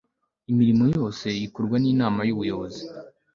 imirimo yose ikorwa n'inama y'ubuyobozi